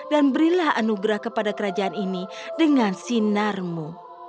dan berilah anugerah kepada kerajaan ini dengan sinarmu